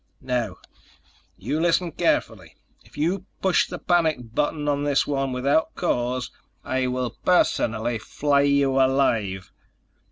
Now, you listen carefully: If you push the panic button on this one without cause, I will personally flay you alive.